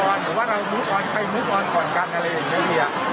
หรือว่าเราไปมูลออนก่อนกันอะไรอย่างเบลดีอะ